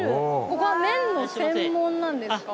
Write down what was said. ここは麺の専門なんですか？